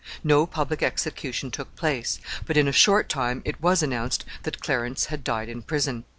No public execution took place, but in a short time it was announced that Clarence had died in prison.